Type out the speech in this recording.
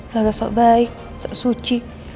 selalu sok baik sok suci